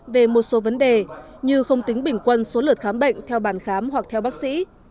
về một số vấn đề như không tính bình quân số lượt khám bệnh theo bàn khám hoặc theo bác sĩ